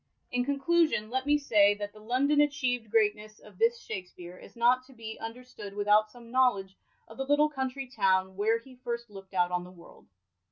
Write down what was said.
In conclusion, let me say, that the London achievd greatness of this Shakspere is not to be understood without some knowledge of the little country town where he first lookt out on the world.